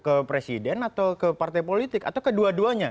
ke presiden atau ke partai politik atau ke dua duanya